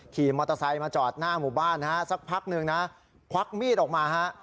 ขี่มอเตอร์ไซค์มาจอดหน้าหมู่บ้านฮะสักพักหนึ่งนะควักมีดออกมาฮะ